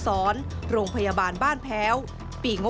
ซึ่งกลางปีนี้ผลการประเมินการทำงานขององค์การมหาชนปี๒ประสิทธิภาพสูงสุด